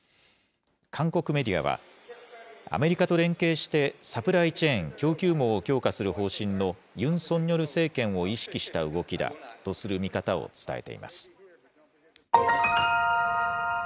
韓国メディアは、アメリカと連携してサプライチェーン・供給網を強化する方針のユン・ソンニョル政権を意識した動きだとする見方を伝えています。